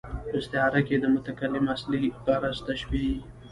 په استعاره کښي د متکلم اصلي غرض تشبېه يي.